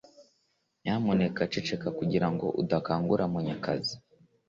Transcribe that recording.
Nyamuneka ceceka kugirango udakanguka Munyakazi